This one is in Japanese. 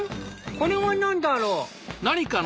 これはなんだろう。